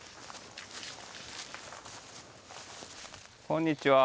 こんにちは。